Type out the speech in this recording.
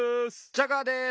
ジャガーです。